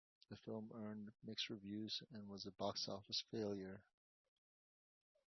The film earned mixed reviews and was a box office failure.